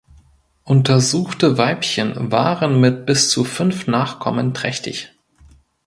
Untersuchte Weibchen waren mit bis zu fünf Nachkommen trächtig.